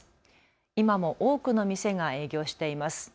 今も多くの店が営業しています。